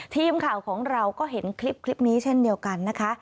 ทีมข่าวของเราก็เห็นคลิปนี้เช่นเดียวกันนะคะ